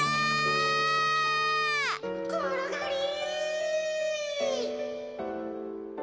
ころがり！